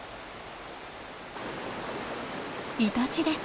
イタチです。